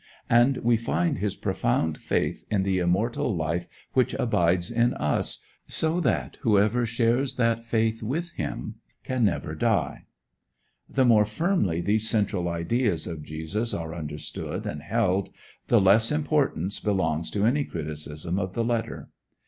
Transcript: And we find his profound faith in the immortal life which abides in us, so that whoever shares that faith with him can never die. The more firmly these central ideas of Jesus are understood and held, the less importance belongs to any criticism of the letter.